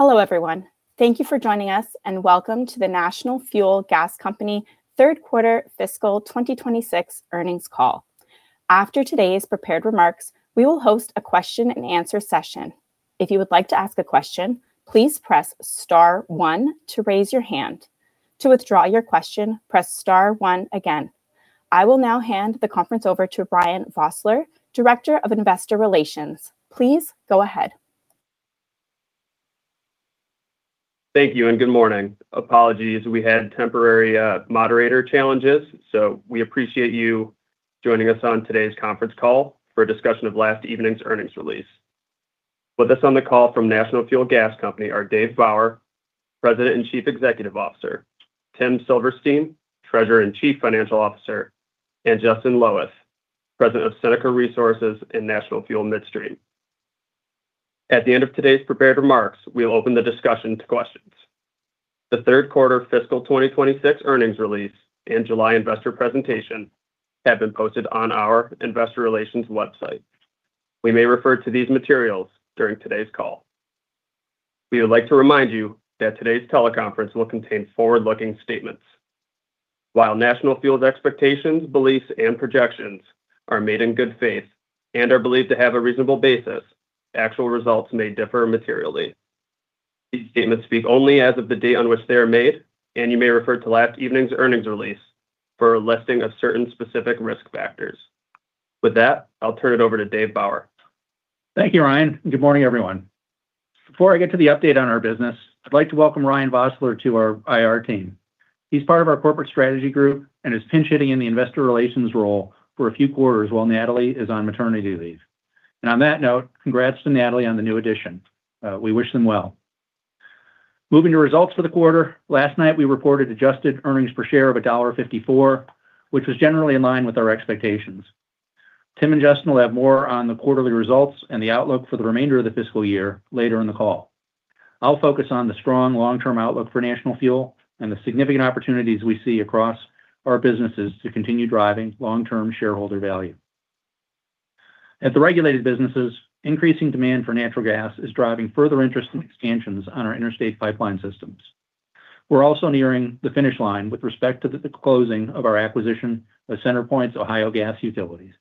Hello, everyone. Thank you for joining us, and welcome to the National Fuel Gas Company third quarter fiscal 2026 earnings call. After today's prepared remarks, we will host a question and answer session. If you would like to ask a question, please press star one to raise your hand. To withdraw your question, press star one again. I will now hand the conference over to Ryan Vossler, Director of Investor Relations. Please go ahead. Thank you and good morning. Apologies, we had temporary moderator challenges. We appreciate you joining us on today's conference call for a discussion of last evening's earnings release. With us on the call from National Fuel Gas Company are Dave Bauer, President and Chief Executive Officer, Tim Silverstein, Treasurer and Chief Financial Officer, and Justin Loweth, President of Seneca Resources and National Fuel Midstream. At the end of today's prepared remarks, we will open the discussion to questions. The third quarter fiscal 2026 earnings release and July investor presentation have been posted on our investor relations website. We may refer to these materials during today's call. We would like to remind you that today's teleconference will contain forward-looking statements. While National Fuel's expectations, beliefs, and projections are made in good faith and are believed to have a reasonable basis, actual results may differ materially. These statements speak only as of the date on which they are made. You may refer to last evening's earnings release for a listing of certain specific risk factors. With that, I will turn it over to Dave Bauer. Thank you, Ryan. Good morning, everyone. Before I get to the update on our business, I would like to welcome Ryan Vossler to our IR team. He is part of our corporate strategy group and is pinch-hitting in the investor relations role for a few quarters while Natalie is on maternity leave. On that note, congrats to Natalie on the new addition. We wish them well. Moving to results for the quarter, last night, we reported adjusted earnings per share of $1.54, which was generally in line with our expectations. Tim and Justin will have more on the quarterly results and the outlook for the remainder of the fiscal year later in the call. I will focus on the strong long-term outlook for National Fuel and the significant opportunities we see across our businesses to continue driving long-term shareholder value. At the regulated businesses, increasing demand for natural gas is driving further interest in expansions on our interstate pipeline systems. We're also nearing the finish line with respect to the closing of our acquisition of CenterPoint's Ohio gas utilities.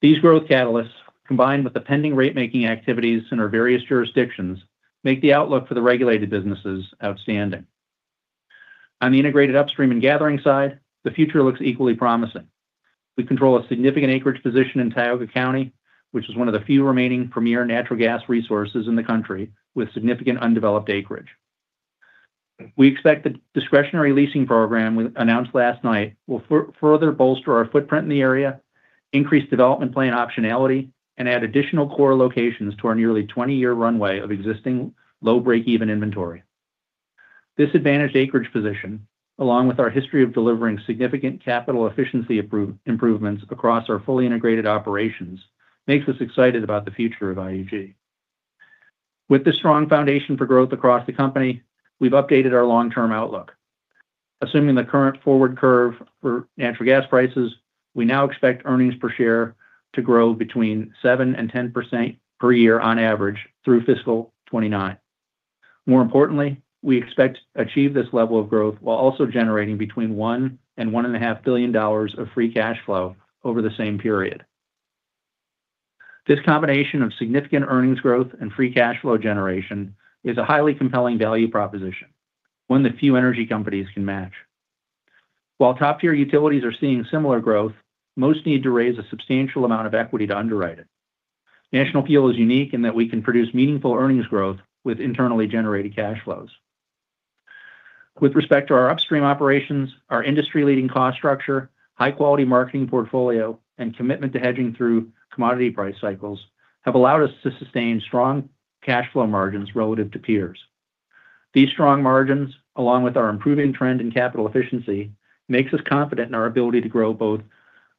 These growth catalysts, combined with the pending rate-making activities in our various jurisdictions, make the outlook for the regulated businesses outstanding. On the integrated upstream and gathering side, the future looks equally promising. We control a significant acreage position in Tioga County, which is one of the few remaining premier natural gas resources in the country, with significant undeveloped acreage. We expect the discretionary leasing program we announced last night will further bolster our footprint in the area, increase development plan optionality, and add additional core locations to our nearly 20-year runway of existing low break-even inventory. This advantaged acreage position, along with our history of delivering significant capital efficiency improvements across our fully integrated operations, makes us excited about the future of IUG. With this strong foundation for growth across the company, we've updated our long-term outlook. Assuming the current forward curve for natural gas prices, we now expect earnings per share to grow between 7% and 10% per year on average through fiscal 2029. More importantly, we expect to achieve this level of growth while also generating between $1 billion and $1.5 billion of free cash flow over the same period. This combination of significant earnings growth and free cash flow generation is a highly compelling value proposition, one that few energy companies can match. While top-tier utilities are seeing similar growth, most need to raise a substantial amount of equity to underwrite it. National Fuel is unique in that we can produce meaningful earnings growth with internally generated cash flows. With respect to our upstream operations, our industry-leading cost structure, high-quality marketing portfolio, and commitment to hedging through commodity price cycles have allowed us to sustain strong cash flow margins relative to peers. These strong margins, along with our improving trend in capital efficiency, makes us confident in our ability to grow both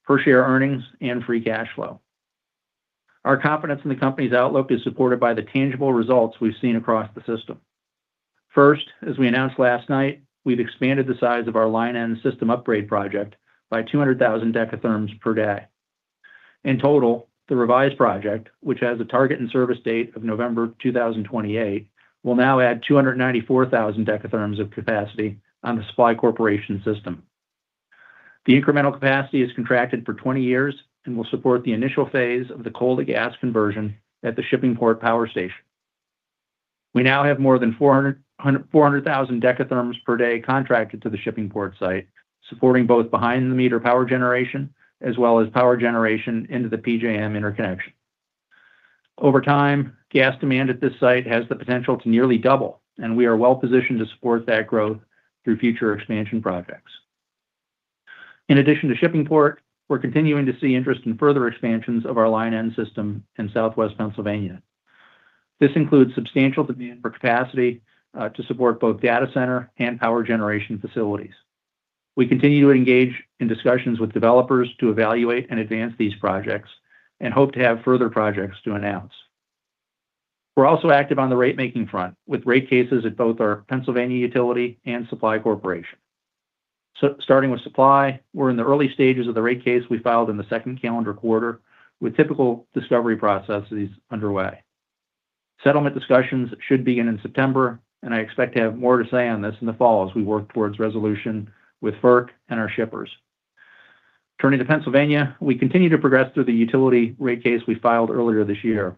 per-share earnings and free cash flow. Our confidence in the company's outlook is supported by the tangible results we've seen across the system. First, as we announced last night, we've expanded the size of our Line N System Upgrade Project by 200,000 dekatherms per day. In total, the revised project, which has a target and service date of November 2028, will now add 294,000 dekatherms of capacity on the Supply Corporation system. The incremental capacity is contracted for 20 years and will support the initial phase of the coal to gas conversion at the Shippingport power station. We now have more than 400,000 dekatherms per day contracted to the Shippingport site, supporting both behind-the-meter power generation as well as power generation into the PJM Interconnection. Over time, gas demand at this site has the potential to nearly double, and we are well-positioned to support that growth through future expansion projects. In addition to Shippingport, we're continuing to see interest in further expansions of our Line N system in Southwest Pennsylvania. This includes substantial demand for capacity to support both data center and power generation facilities. We continue to engage in discussions with developers to evaluate and advance these projects and hope to have further projects to announce. We're also active on the rate-making front, with rate cases at both our Pennsylvania utility and Supply Corporation. Starting with supply, we're in the early stages of the rate case we filed in the second calendar quarter with typical discovery processes underway. Settlement discussions should begin in September, I expect to have more to say on this in the fall as we work towards resolution with FERC and our shippers. Turning to Pennsylvania, we continue to progress through the utility rate case we filed earlier this year.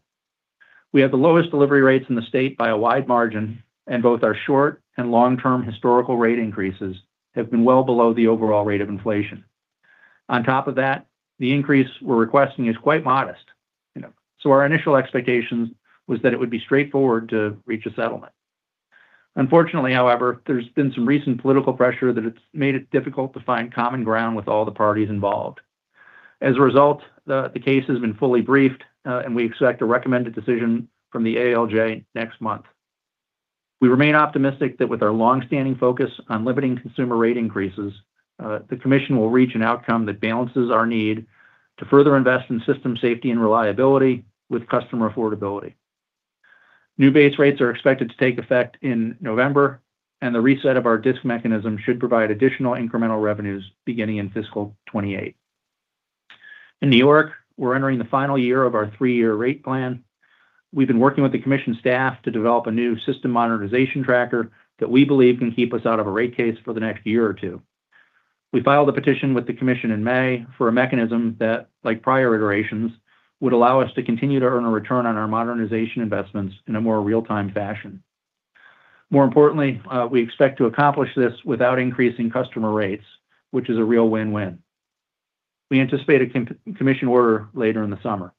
We have the lowest delivery rates in the state by a wide margin, both our short and long-term historical rate increases have been well below the overall rate of inflation. On top of that, the increase we're requesting is quite modest. Our initial expectations was that it would be straightforward to reach a settlement. Unfortunately, however, there's been some recent political pressure that it's made it difficult to find common ground with all the parties involved. As a result, the case has been fully briefed, we expect a recommended decision from the ALJ next month. We remain optimistic that with our longstanding focus on limiting consumer rate increases, the commission will reach an outcome that balances our need to further invest in system safety and reliability with customer affordability. New base rates are expected to take effect in November, the reset of our DISC mechanism should provide additional incremental revenues beginning in fiscal 2028. In New York, we're entering the final year of our three-year rate plan. We've been working with the commission staff to develop a new system modernization tracker that we believe can keep us out of a rate case for the next year or two. We filed a petition with the commission in May for a mechanism that, like prior iterations, would allow us to continue to earn a return on our modernization investments in a more real-time fashion. More importantly, we expect to accomplish this without increasing customer rates, which is a real win-win. We anticipate a commission order later in the summer.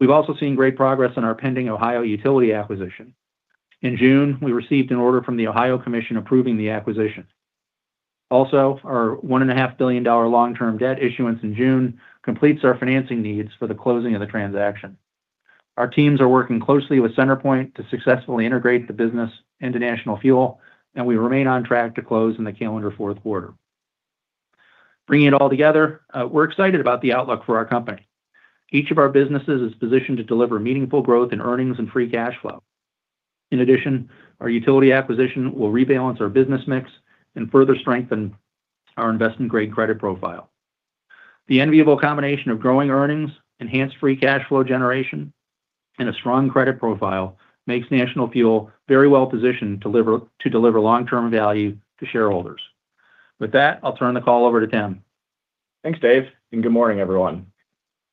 We've also seen great progress in our pending Ohio utility acquisition. In June, we received an order from the Ohio Commission approving the acquisition. Also our $1.5 billion long-term debt issuance in June completes our financing needs for the closing of the transaction. Our teams are working closely with CenterPoint to successfully integrate the business into National Fuel, we remain on track to close in the calendar fourth quarter. Bringing it all together, we're excited about the outlook for our company. Each of our businesses is positioned to deliver meaningful growth in earnings and free cash flow. In addition, our utility acquisition will rebalance our business mix and further strengthen our investment-grade credit profile. The enviable combination of growing earnings, enhanced free cash flow generation, a strong credit profile makes National Fuel very well-positioned to deliver long-term value to shareholders. With that, I'll turn the call over to Tim. Thanks, Dave, good morning, everyone.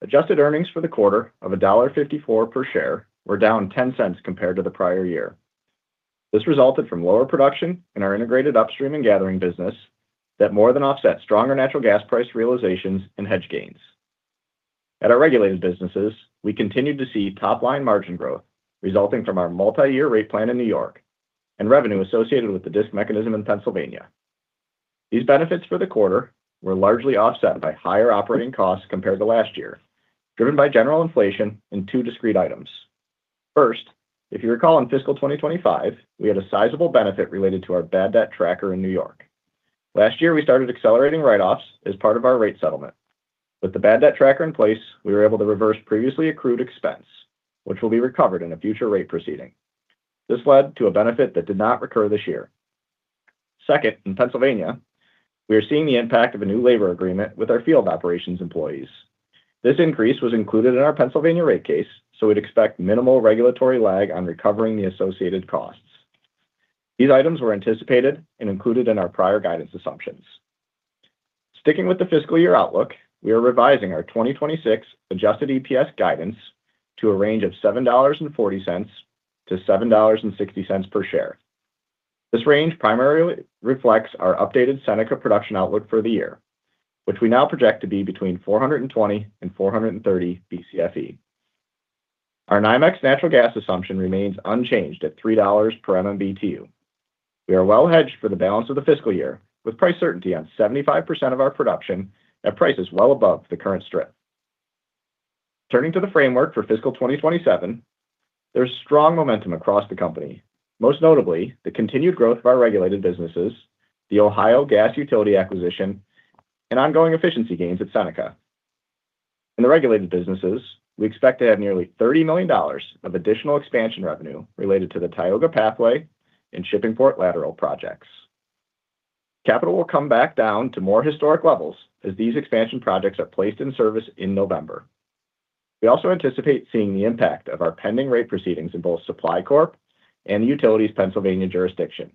Adjusted earnings for the quarter of $1.54 per share were down $0.10 compared to the prior year. This resulted from lower production in our integrated upstream and gathering business that more than offset stronger natural gas price realizations and hedge gains. At our regulated businesses, we continued to see top-line margin growth resulting from our multi-year rate plan in New York and revenue associated with the DISC mechanism in Pennsylvania. These benefits for the quarter were largely offset by higher operating costs compared to last year, driven by general inflation and two discrete items. First, if you recall, in fiscal 2025, we had a sizable benefit related to our bad debt tracker in New York. Last year, we started accelerating write-offs as part of our rate settlement. With the bad debt tracker in place, we were able to reverse previously accrued expense, which will be recovered in a future rate proceeding. This led to a benefit that did not recur this year. Second, in Pennsylvania, we are seeing the impact of a new labor agreement with our field operations employees. This increase was included in our Pennsylvania rate case, we'd expect minimal regulatory lag on recovering the associated costs. These items were anticipated and included in our prior guidance assumptions. Sticking with the fiscal year outlook, we are revising our 2026 adjusted EPS guidance to a range of $7.40-$7.60 per share. This range primarily reflects our updated Seneca production outlook for the year, which we now project to be between 420 and 430 BCFE. Our NYMEX natural gas assumption remains unchanged at $3 per MMBtu. We are well hedged for the balance of the fiscal year, with price certainty on 75% of our production at prices well above the current strip. Turning to the framework for fiscal 2027, there's strong momentum across the company, most notably the continued growth of our regulated businesses, the Ohio gas utility acquisition, and ongoing efficiency gains at Seneca. In the regulated businesses, we expect to have nearly $30 million of additional expansion revenue related to the Tioga Pathway Project and Shippingport Lateral Project. Capital will come back down to more historic levels as these expansion projects are placed in service in November. We also anticipate seeing the impact of our pending rate proceedings in both Supply Corp and the utilities Pennsylvania jurisdiction,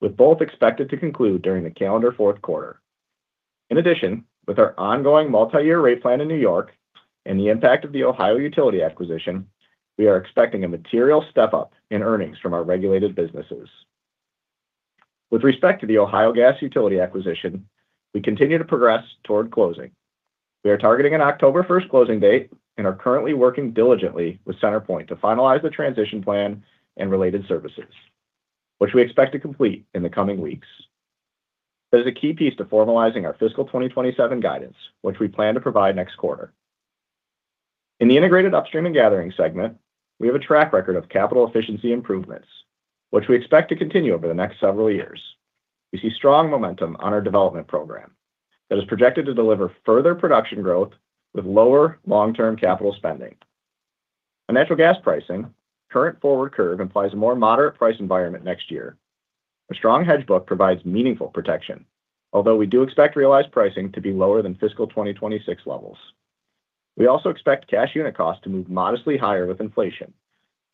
with both expected to conclude during the calendar fourth quarter. With our ongoing multi-year rate plan in New York and the impact of the Ohio utility acquisition, we are expecting a material step-up in earnings from our regulated businesses. With respect to the Ohio gas utility acquisition, we continue to progress toward closing. We are targeting an October 1st closing date and are currently working diligently with CenterPoint to finalize the transition plan and related services, which we expect to complete in the coming weeks. That is a key piece to formalizing our fiscal 2027 guidance, which we plan to provide next quarter. In the integrated upstream and gathering segment, we have a track record of capital efficiency improvements, which we expect to continue over the next several years. We see strong momentum on our development program that is projected to deliver further production growth with lower long-term capital spending. On natural gas pricing, current forward curve implies a more moderate price environment next year. A strong hedge book provides meaningful protection, although we do expect realized pricing to be lower than fiscal 2026 levels. We also expect cash unit cost to move modestly higher with inflation.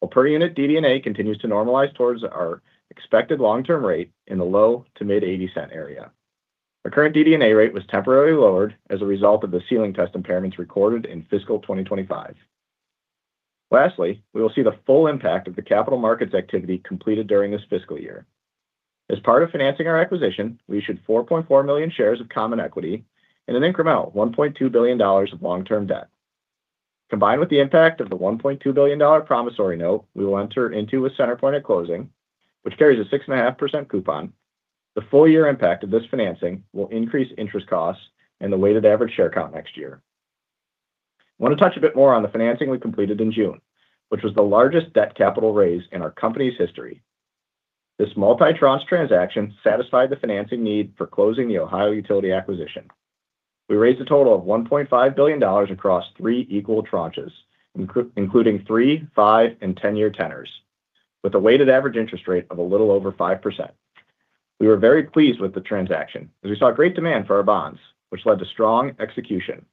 While per unit DD&A continues to normalize towards our expected long-term rate in the low to mid $0.80 area. Our current DD&A rate was temporarily lowered as a result of the ceiling test impairments recorded in fiscal 2025. Lastly, we will see the full impact of the capital markets activity completed during this fiscal year. As part of financing our acquisition, we issued 4.4 million shares of common equity and an incremental $1.2 billion of long-term debt. Combined with the impact of the $1.2 billion promissory note we will enter into with CenterPoint at closing, which carries a 6.5% coupon, the full year impact of this financing will increase interest costs and the weighted average share count next year. Want to touch a bit more on the financing we completed in June, which was the largest debt capital raise in our company's history. This multi-tranche transaction satisfied the financing need for closing the Ohio utility acquisition. We raised a total of $1.5 billion across three equal tranches, including three, five, and 10-year tenors, with a weighted average interest rate of a little over 5%. We were very pleased with the transaction, as we saw great demand for our bonds, which led to strong execution.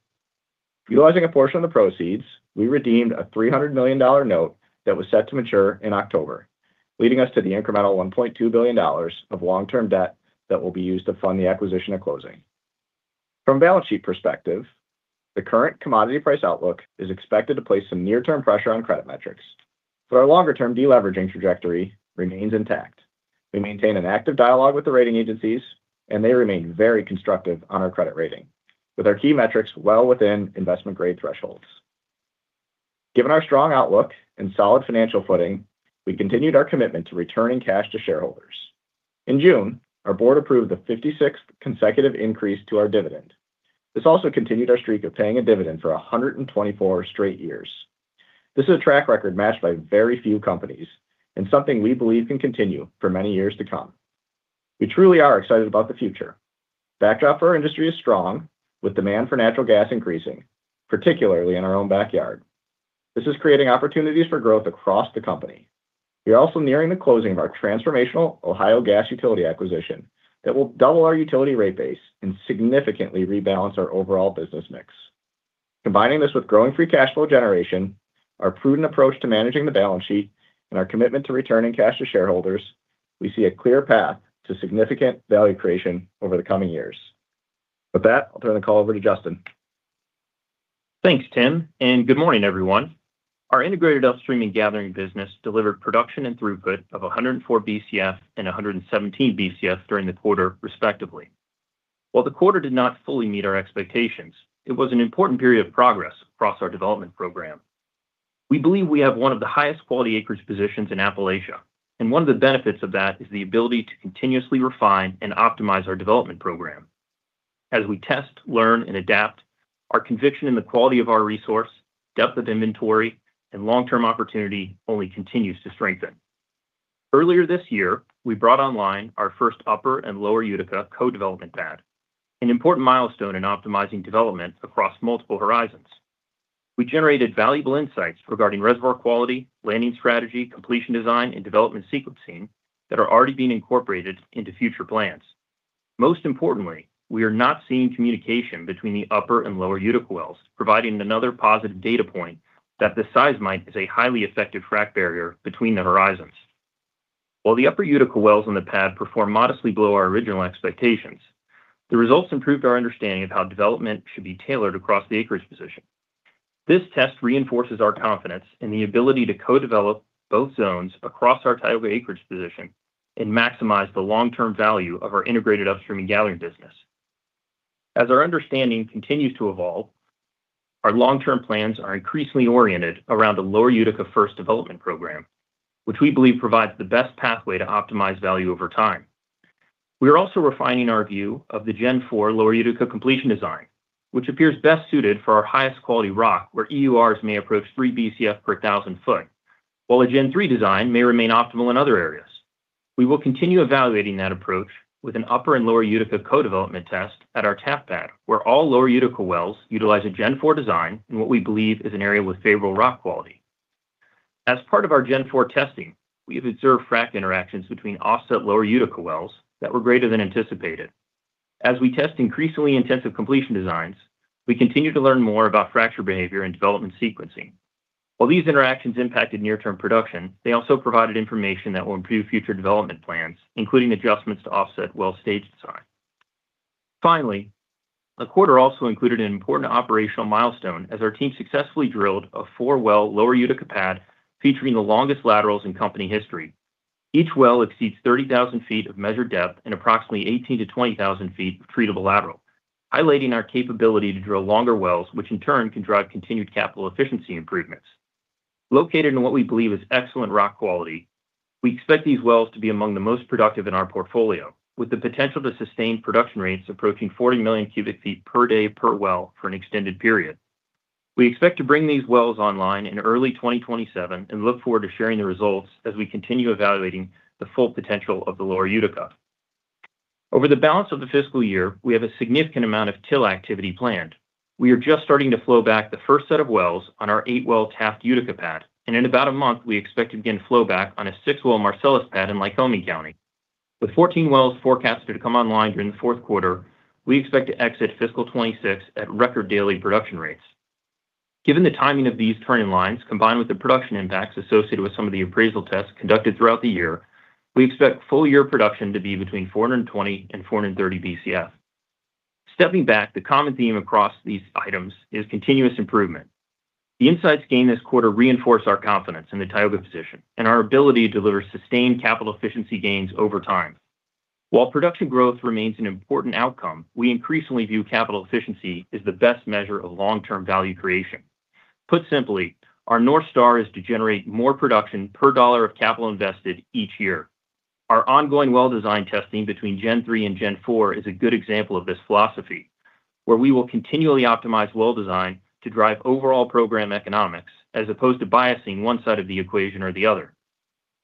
Utilizing a portion of the proceeds, we redeemed a $300 million note that was set to mature in October, leading us to the incremental $1.2 billion of long-term debt that will be used to fund the acquisition at closing. From balance sheet perspective, the current commodity price outlook is expected to place some near-term pressure on credit metrics, so our longer-term de-leveraging trajectory remains intact. We maintain an active dialogue with the rating agencies, and they remain very constructive on our credit rating, with our key metrics well within investment grade thresholds. Given our strong outlook and solid financial footing, we continued our commitment to returning cash to shareholders. In June, our board approved the 56th consecutive increase to our dividend. This also continued our streak of paying a dividend for 124 straight years. This is a track record matched by very few companies and something we believe can continue for many years to come. We truly are excited about the future. Backdrop for our industry is strong, with demand for natural gas increasing, particularly in our own backyard. This is creating opportunities for growth across the company. We are also nearing the closing of our transformational Ohio gas utility acquisition that will double our utility rate base and significantly rebalance our overall business mix. Combining this with growing free cash flow generation, our prudent approach to managing the balance sheet, and our commitment to returning cash to shareholders, we see a clear path to significant value creation over the coming years. With that, I'll turn the call over to Justin. Thanks, Tim, and good morning, everyone. Our integrated upstream and gathering business delivered production and throughput of 104 Bcf and 117 Bcf during the quarter, respectively. While the quarter did not fully meet our expectations, it was an important period of progress across our development program. We believe we have one of the highest quality acreage positions in Appalachia, and one of the benefits of that is the ability to continuously refine and optimize our development program. As we test, learn, and adapt, our conviction in the quality of our resource, depth of inventory, and long-term opportunity only continues to strengthen. Earlier this year, we brought online our first Upper and Lower Utica co-development pad, an important milestone in optimizing development across multiple horizons. We generated valuable insights regarding reservoir quality, landing strategy, completion design, and development sequencing that are already being incorporated into future plans. Most importantly, we are not seeing communication between the Upper and Lower Utica wells, providing another positive data point that the seismite is a highly effective frack barrier between the horizons. While the Upper Utica wells on the pad perform modestly below our original expectations, the results improved our understanding of how development should be tailored across the acreage position. This test reinforces our confidence in the ability to co-develop both zones across our Tioga acreage position and maximize the long-term value of our integrated upstream and gathering business. As our understanding continues to evolve, our long-term plans are increasingly oriented around a Lower Utica first development program, which we believe provides the best pathway to optimized value over time. We are also refining our view of the Gen 4 Lower Utica completion design, which appears best suited for our highest quality rock, where EURs may approach 3 Bcf per 1,000 foot. While a Gen 3 design may remain optimal in other areas. We will continue evaluating that approach with an Upper and Lower Utica co-development test at our Taft Pad, where all Lower Utica wells utilize a Gen 4 design in what we believe is an area with favorable rock quality. As part of our Gen 4 testing, we have observed frack interactions between offset Lower Utica wells that were greater than anticipated. As we test increasingly intensive completion designs, we continue to learn more about fracture behavior and development sequencing. While these interactions impacted near-term production, they also provided information that will improve future development plans, including adjustments to offset well stage design. Finally, the quarter also included an important operational milestone as our team successfully drilled a four-well Lower Utica pad featuring the longest laterals in company history. Each well exceeds 30,000 feet of measured depth and approximately 18,000-20,000 feet of treatable lateral, highlighting our capability to drill longer wells, which in turn can drive continued capital efficiency improvements. Located in what we believe is excellent rock quality, we expect these wells to be among the most productive in our portfolio, with the potential to sustain production rates approaching 40 million cubic feet per day per well for an extended period. We expect to bring these wells online in early 2027 and look forward to sharing the results as we continue evaluating the full potential of the Lower Utica. Over the balance of the fiscal year, we have a significant amount of drill activity planned. We are just starting to flow back the first set of wells on our eight-well Taft Utica pad. In about a month, we expect to begin flow back on a six-well Marcellus pad in Lycoming County. With 14 wells forecasted to come online during the fourth quarter, we expect to exit fiscal 2026 at record daily production rates. Given the timing of these turn-in-lines, combined with the production impacts associated with some of the appraisal tests conducted throughout the year, we expect full-year production to be between 420 and 430 Bcf. Stepping back, the common theme across these items is continuous improvement. The insights gained this quarter reinforce our confidence in the Tioga position and our ability to deliver sustained capital efficiency gains over time. While production growth remains an important outcome, we increasingly view capital efficiency as the best measure of long-term value creation. Put simply, our North Star is to generate more production per dollar of capital invested each year. Our ongoing well design testing between Gen 3 and Gen 4 is a good example of this philosophy, where we will continually optimize well design to drive overall program economics, as opposed to biasing one side of the equation or the other.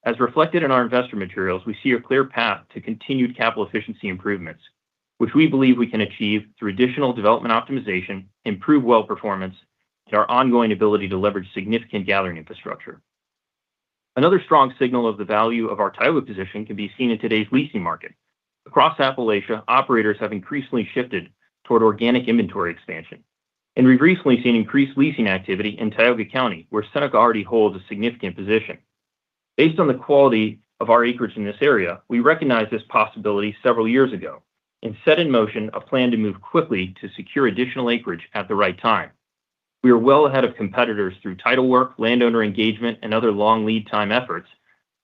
As reflected in our investor materials, we see a clear path to continued capital efficiency improvements, which we believe we can achieve through additional development optimization, improved well performance, and our ongoing ability to leverage significant gathering infrastructure. Another strong signal of the value of our Tioga position can be seen in today's leasing market. Across Appalachia, operators have increasingly shifted toward organic inventory expansion. We have recently seen increased leasing activity in Tioga County, where Seneca already holds a significant position. Based on the quality of our acreage in this area, we recognized this possibility several years ago and set in motion a plan to move quickly to secure additional acreage at the right time. We are well ahead of competitors through title work, landowner engagement, and other long lead time efforts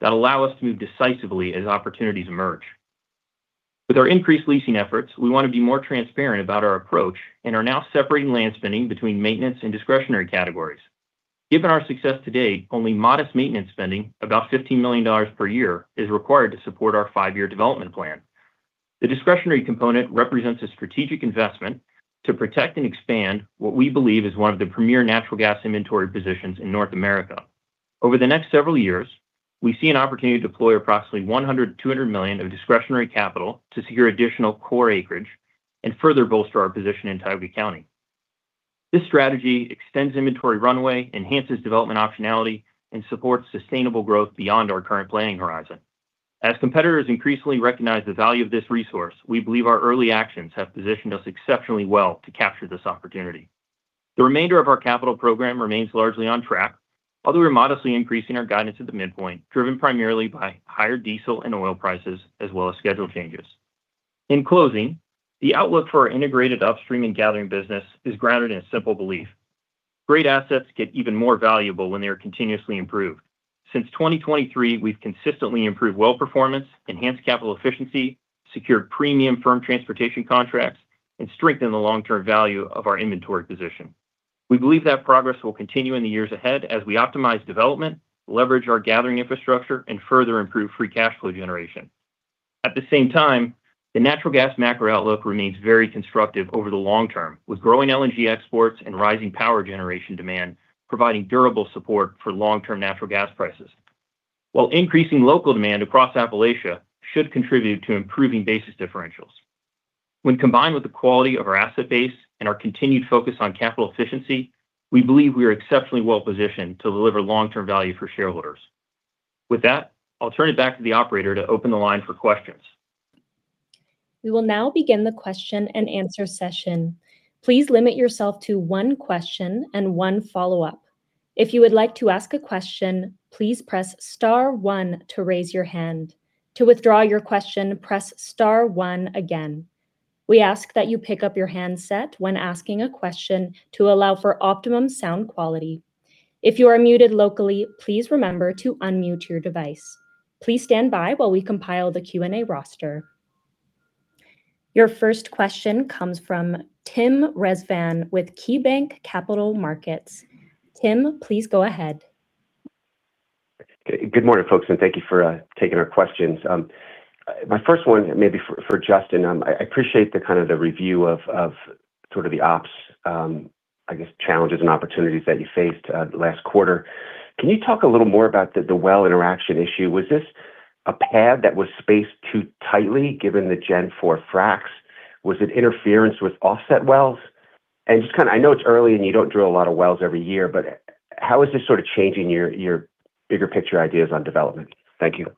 that allow us to move decisively as opportunities emerge. With our increased leasing efforts, we want to be more transparent about our approach and are now separating land spending between maintenance and discretionary categories. Given our success to date, only modest maintenance spending, about $15 million per year, is required to support our five-year development plan. The discretionary component represents a strategic investment to protect and expand what we believe is one of the premier natural gas inventory positions in North America. Over the next several years, we see an opportunity to deploy approximately $100 million-$200 million of discretionary capital to secure additional core acreage and further bolster our position in Tioga County. This strategy extends inventory runway, enhances development optionality, and supports sustainable growth beyond our current planning horizon. As competitors increasingly recognize the value of this resource, we believe our early actions have positioned us exceptionally well to capture this opportunity. The remainder of our capital program remains largely on track, although we're modestly increasing our guidance at the midpoint, driven primarily by higher diesel and oil prices, as well as schedule changes. In closing, the outlook for our integrated upstream and gathering business is grounded in a simple belief. Great assets get even more valuable when they are continuously improved. Since 2023, we've consistently improved well performance, enhanced capital efficiency, secured premium firm transportation contracts, and strengthened the long-term value of our inventory position. We believe that progress will continue in the years ahead as we optimize development, leverage our gathering infrastructure, and further improve free cash flow generation. At the same time, the natural gas macro outlook remains very constructive over the long term, with growing LNG exports and rising power generation demand providing durable support for long-term natural gas prices. While increasing local demand across Appalachia should contribute to improving basis differentials. When combined with the quality of our asset base and our continued focus on capital efficiency, we believe we are exceptionally well positioned to deliver long-term value for shareholders. With that, I'll turn it back to the operator to open the line for questions. We will now begin the question-and-answer session. Please limit yourself to one question and one follow-up. If you would like to ask a question, please press star one to raise your hand. To withdraw your question, press star one again. We ask that you pick up your handset when asking a question to allow for optimum sound quality. If you are muted locally, please remember to unmute your device. Please stand by while we compile the Q&A roster. Your first question comes from Tim Rezvan with KeyBanc Capital Markets. Tim, please go ahead. Good morning, folks, and thank you for taking our questions. My first one may be for Justin. I appreciate the review of the ops, I guess, challenges and opportunities that you faced last quarter. Can you talk a little more about the well interaction issue? Was this a pad that was spaced too tightly given the Gen 4 fracs? Was it interference with offset wells? I know it's early and you don't drill a lot of wells every year, but how is this changing your bigger picture ideas on development? Thank you.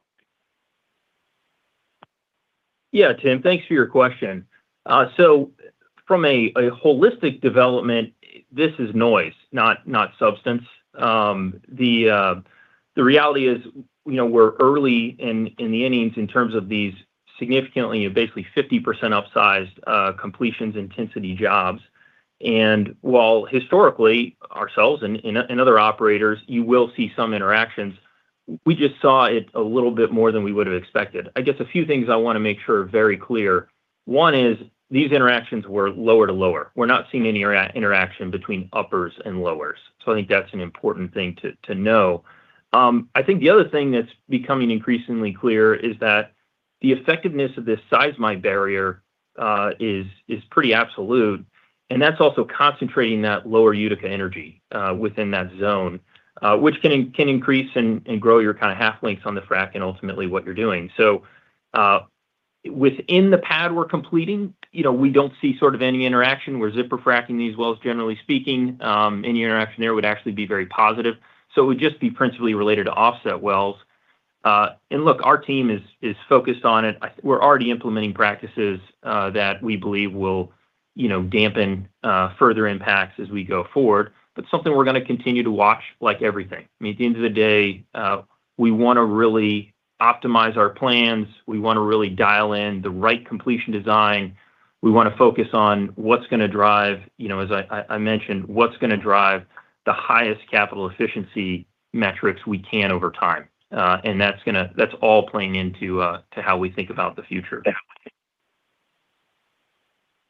Yeah Tim. Thanks for your question. From a holistic development, this is noise, not substance. The reality is we're early in the innings in terms of these significantly, basically 50% upsized completions intensity jobs. While historically, ourselves and other operators, you will see some interactions, we just saw it a little bit more than we would have expected. I guess a few things I want to make sure are very clear. One is these interactions were lower to lower. We're not seeing any interaction between uppers and lowers. I think that's an important thing to know. I think the other thing that's becoming increasingly clear is that the effectiveness of this seismite barrier is pretty absolute. That's also concentrating that Lower Utica energy within that zone, which can increase and grow your half lengths on the frac and ultimately what you're doing. Within the pad we're completing, we don't see any interaction. We're zipper fracking these wells, generally speaking. Any interaction there would actually be very positive. It would just be principally related to offset wells. Look, our team is focused on it. We're already implementing practices that we believe will dampen further impacts as we go forward. Something we're going to continue to watch, like everything. At the end of the day, we want to really optimize our plans. We want to really dial in the right completion design. We want to focus on, as I mentioned, what's going to drive the highest capital efficiency metrics we can over time. That's all playing into how we think about the future.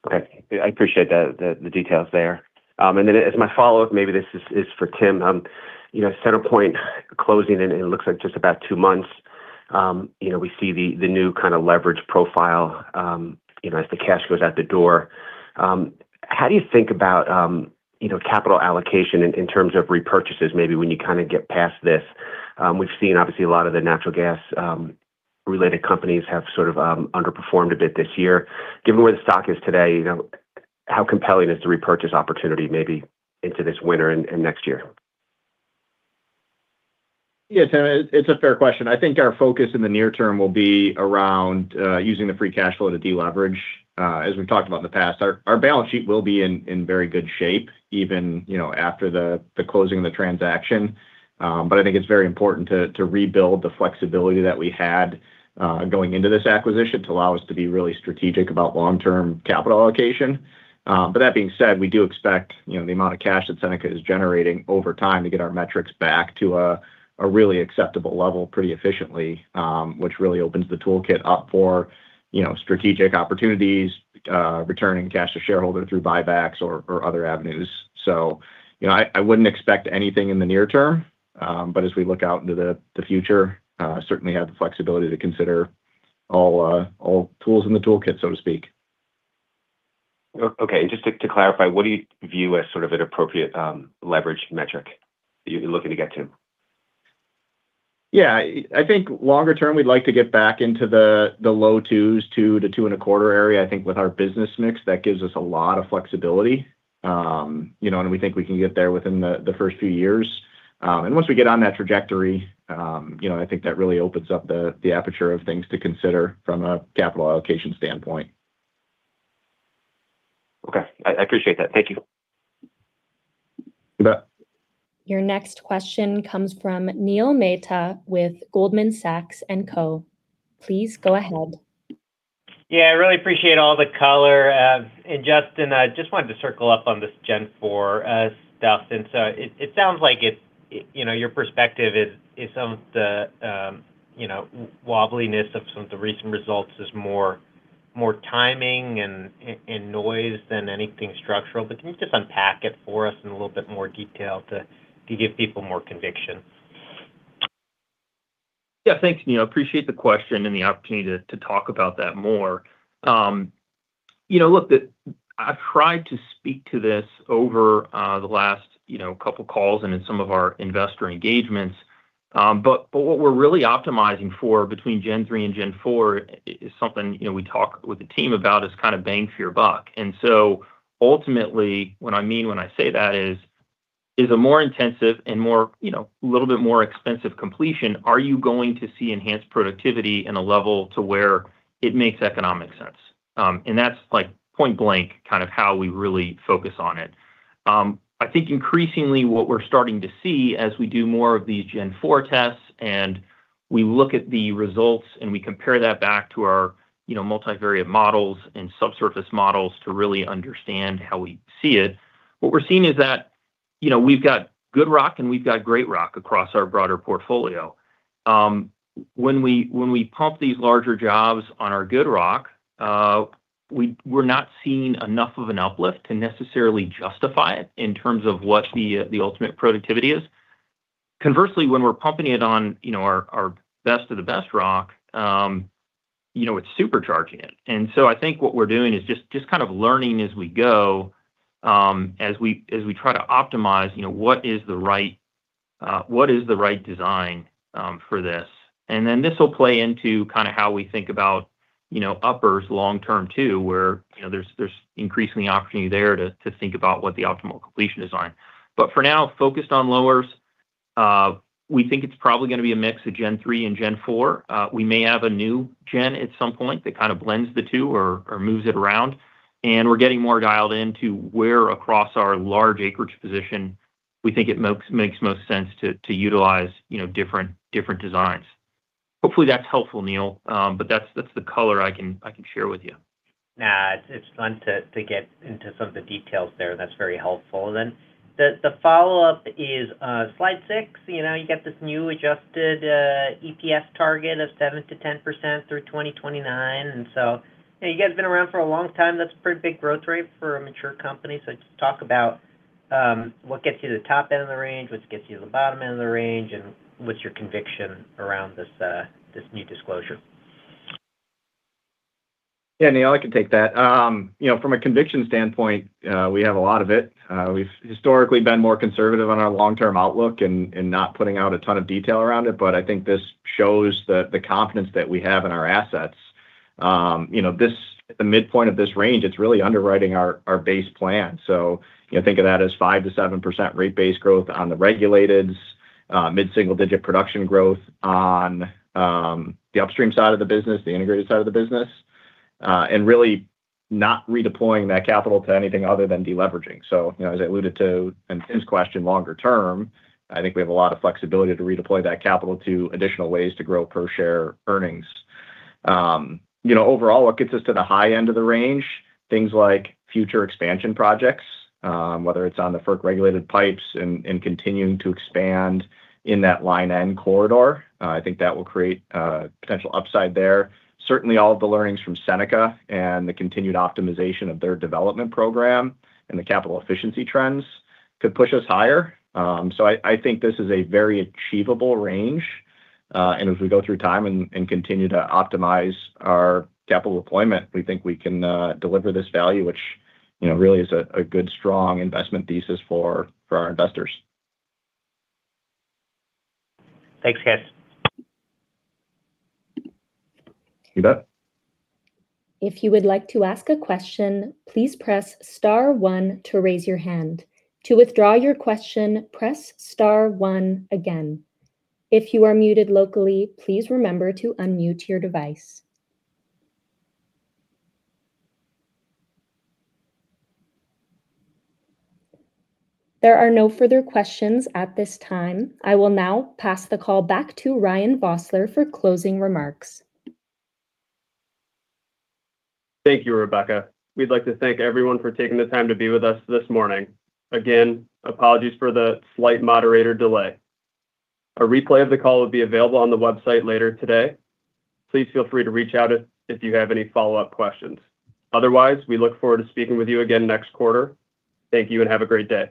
Okay. I appreciate the details there. As my follow-up, maybe this is for Tim. CenterPoint closing in, it looks like just about two months. We see the new leverage profile as the cash goes out the door. How do you think about capital allocation in terms of repurchases, maybe when you get past this? We've seen, obviously, a lot of the natural gas-related companies have underperformed a bit this year. Given where the stock is today, how compelling is the repurchase opportunity maybe into this winter and next year? Yeah, Tim, it's a fair question. I think our focus in the near term will be around using the free cash flow to deleverage. As we've talked about in the past, our balance sheet will be in very good shape even after the closing of the transaction. I think it's very important to rebuild the flexibility that we had going into this acquisition to allow us to be really strategic about long-term capital allocation. That being said, we do expect the amount of cash that Seneca is generating over time to get our metrics back to a really acceptable level pretty efficiently, which really opens the toolkit up for strategic opportunities, returning cash to shareholder through buybacks or other avenues. I wouldn't expect anything in the near term. As we look out into the future, certainly have the flexibility to consider all tools in the toolkit, so to speak. Okay. Just to clarify, what do you view as an appropriate leverage metric that you're looking to get to? Yeah. I think longer term, we'd like to get back into the low twos, two to two and a quarter area. I think with our business mix, that gives us a lot of flexibility. We think we can get there within the first few years. Once we get on that trajectory, I think that really opens up the aperture of things to consider from a capital allocation standpoint. Okay. I appreciate that. Thank you. You bet. Your next question comes from Neil Mehta with Goldman Sachs & Co. Please go ahead. Yeah. I really appreciate all the color. Justin, I just wanted to circle up on this Gen 4 stuff. It sounds like your perspective is some of the wobbliness of some of the recent results is more timing and noise than anything structural. Can you just unpack it for us in a little bit more detail to give people more conviction? Yeah. Thanks, Neil. Appreciate the question and the opportunity to talk about that more. Look, I've tried to speak to this over the last couple calls and in some of our investor engagements. What we're really optimizing for between Gen 3 and Gen 4 is something we talk with the team about is bang for your buck. Ultimately, what I mean when I say that is a more intensive and a little bit more expensive completion, are you going to see enhanced productivity in a level to where it makes economic sense? That's point blank how we really focus on it. I think increasingly what we're starting to see as we do more of these Gen 4 tests, and we look at the results, and we compare that back to our multivariate models and subsurface models to really understand how we see it. What we're seeing is that we've got good rock and we've got great rock across our broader portfolio. When we pump these larger jobs on our good rock, we're not seeing enough of an uplift to necessarily justify it in terms of what the ultimate productivity is. Conversely, when we're pumping it on our best of the best rock, it's supercharging it. I think what we're doing is just learning as we go, as we try to optimize what is the right design for this. Then this will play into how we think about uppers long-term too, where there's increasingly opportunity there to think about what the optimal completion design. For now, focused on lowers. We think it's probably going to be a mix of Gen 3 and Gen 4. We may have a new gen at some point that blends the two or moves it around. We're getting more dialed into where across our large acreage position we think it makes most sense to utilize different designs. Hopefully, that's helpful, Neil, that's the color I can share with you. Nah. It's fun to get into some of the details there. That's very helpful. The follow-up is slide six. You get this new adjusted EPS target of 7%-10% through 2029. You guys have been around for a long time. That's a pretty big growth rate for a mature company. Just talk about what gets you to the top end of the range? What gets you to the bottom end of the range? What's your conviction around this new disclosure? Yeah, Neil, I can take that. From a conviction standpoint, we have a lot of it. We've historically been more conservative on our long-term outlook and not putting out a ton of detail around it. I think this shows the confidence that we have in our assets. The midpoint of this range, it's really underwriting our base plan. Think of that as 5%-7% rate base growth on the regulated, mid-single digit production growth on the upstream side of the business, the integrated side of the business. Really not redeploying that capital to anything other than de-leveraging. As I alluded to in Tim's question, longer term, I think we have a lot of flexibility to redeploy that capital to additional ways to grow per share earnings. Overall, what gets us to the high end of the range, things like future expansion projects, whether it's on the FERC-regulated pipes and continuing to expand in that Line N corridor. I think that will create potential upside there. Certainly, all of the learnings from Seneca and the continued optimization of their development program and the capital efficiency trends could push us higher. I think this is a very achievable range. As we go through time and continue to optimize our capital deployment, we think we can deliver this value, which really is a good, strong investment thesis for our investors. Thanks, guys. You bet. If you would like to ask a question, please press star one to raise your hand. To withdraw your question, press star one again. If you are muted locally, please remember to unmute your device. There are no further questions at this time. I will now pass the call back to Ryan Vossler for closing remarks. Thank you, Rebecca. We'd like to thank everyone for taking the time to be with us this morning. Again, apologies for the slight moderator delay. A replay of the call will be available on the website later today. Please feel free to reach out if you have any follow-up questions. Otherwise, we look forward to speaking with you again next quarter. Thank you, and have a great day.